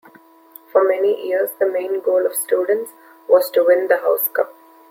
For many years the main goal of students was to win the house cup.